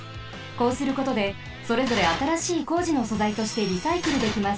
こうすることでそれぞれあたらしい工事のそざいとしてリサイクルできます。